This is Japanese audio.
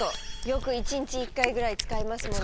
よく一日１回ぐらい使いますもんね